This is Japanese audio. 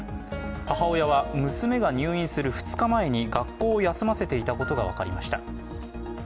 母親は娘が入院する２日前に学校を休ませていたことが分かりました。